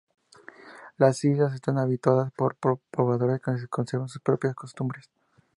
Las islas están habitadas por pobladores que conservan sus propias costumbres.